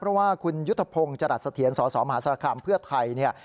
เพราะว่าคุณยุทธพงศ์จรัสเถียนสสมหาศาลคาร์มเพื่อไทย